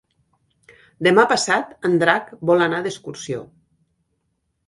Demà passat en Drac vol anar d'excursió.